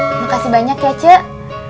makasih banyak ya cak